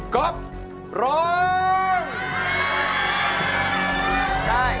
ร้องได้ร้องได้